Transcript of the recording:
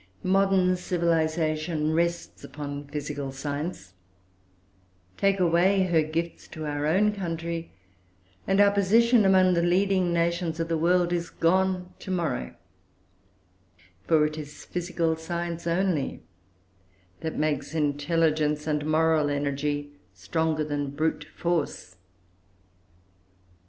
Modern civilisation rests upon physical science; take away her gifts to our own country, and our position among the leading nations of the world is gone to morrow; for it is physical science only that makes intelligence and moral energy stronger than brute force.